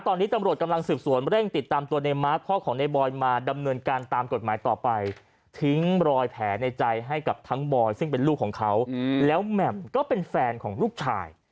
ตอนนี้ตำรวจกำลังสืบสวนเร่งติดตามตัวในมาร์คพ่อของในบอยมาดำเนินการตามกฎหมายต่อไปทิ้งรอยแผลในใจให้กับทั้งบอยซึ่งเป็นลูกของเขาแล้วแหม่มก็เป็นแฟนของลูกชาย